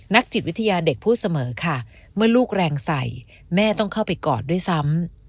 จิตวิทยาเด็กพูดเสมอค่ะเมื่อลูกแรงใส่แม่ต้องเข้าไปกอดด้วยซ้ำ